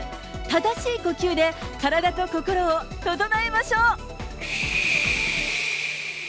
正しい呼吸で、体と心を整えましょう。